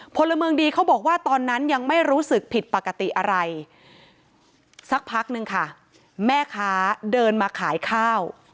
พลเมืองดีเขาบอกว่าตอนนั้นยังไม่รู้สึกผิดปกติอะไรสักพักนึงค่ะแม่ค้าเดินมาขายข้าว